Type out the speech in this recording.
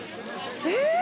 えっ！